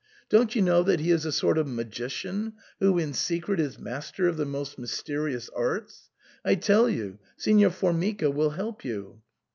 Don't you know that he is a sort of magician who in secret is master of the most mysterious arts ? I tell you, Signor Formica will help you.